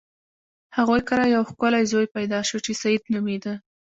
د هغوی کره یو ښکلی زوی پیدا شو چې سید نومیده.